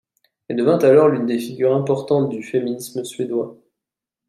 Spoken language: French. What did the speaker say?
Elle devint alors l'une des figures importantes du féminisme suédois.